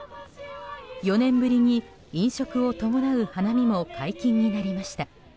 ４年ぶりに飲食を伴う花見も解禁になりました。